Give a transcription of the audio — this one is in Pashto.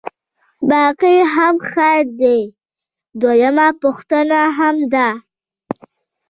باقي هم خیر دی، دویمه پوښتنه هم ده.